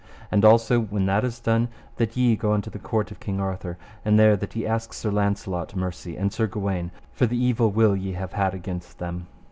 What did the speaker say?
And also, when that is done, that ye go unto the court of King Arthur, and there that ye ask Sir Launcelot mercy, and Sir Gawaine, for the evil will ye have had against them.